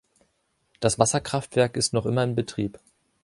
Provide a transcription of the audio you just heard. Das Wasserkraftwerk ist noch immer in Betrieb.